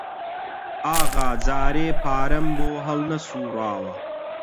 ئاغا جارێ پارەم بۆ هەڵنەسووڕاوە